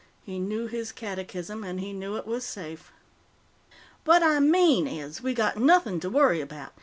He knew his catechism, and he knew it was safe. "What I mean is, we got nothing to worry about.